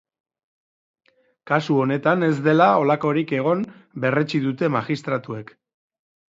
Kasu honetan ez dela halakorik egon berretsi dute magistratuek.